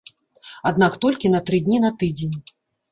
Аднак толькі на тры дні на тыдзень.